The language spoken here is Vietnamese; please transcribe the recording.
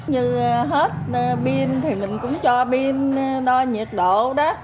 như hết pin thì mình cũng cho pin đo nhiệt độ đó